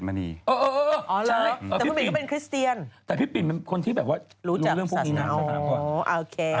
มันเป็นคนที่แบบว่ารู้เรื่องพวกมีน้ำสักครั้ง